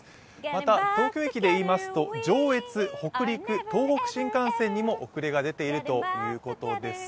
また、東京駅でいいますと上越・北陸・東北新幹線にも遅れが出ているということです。